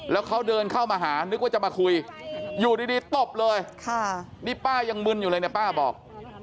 แล้วเขาเดินเข้ามาหานึกว่าจะมาคุยอยู่ดีตบเลยนี่ป้ายังมึนอยู่เลยเนี่ยป้าบอก